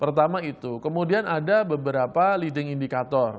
pertama itu kemudian ada beberapa leading indicator